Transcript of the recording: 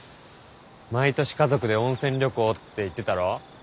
「毎年家族で温泉旅行」って言ってたろ？